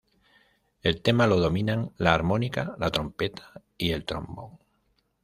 El tema lo dominan la armónica, la trompeta y el trombón.